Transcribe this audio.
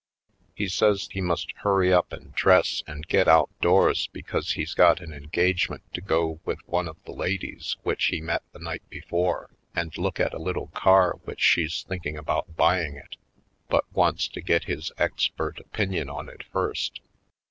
He says he must hurry up and dress 90 /. Poindexterj Colored and get outdoors because he's got an en gagement to go with one of the ladies which he met the night before and look at a little car w^hich she's thinking about buying it, but wants to get his expert opinion on it first.